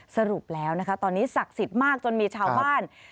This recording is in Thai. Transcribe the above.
สรุปแล้วนะคะตอนนี้ศักดิ์สิทธิ์มากจนมีชาวบ้าน